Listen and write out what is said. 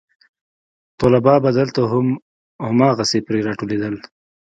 طلبا به دلته هم هماغسې پرې راټولېدل.